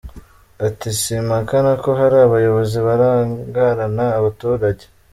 Ati “Simpakana ko hari abayobozi barangarana abaturage.